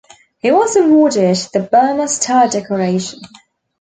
He was awarded the Burma Star Decoration.